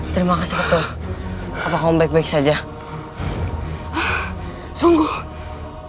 terima kasih ketuh apakah baik baik saja sungguh repotkan sekali